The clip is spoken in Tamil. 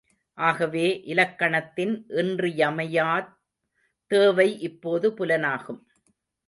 ஆகவே, இலக்கணத்தின் இன்றியமையாத் தேவை இப்போது புலனாகும்.